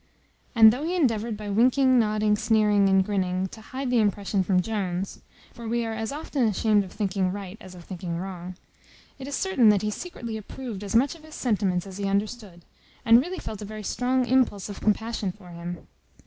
And though he endeavoured by winking, nodding, sneering, and grinning, to hide the impression from Jones (for we are as often ashamed of thinking right as of thinking wrong), it is certain he secretly approved as much of his sentiments as he understood, and really felt a very strong impulse of compassion for him.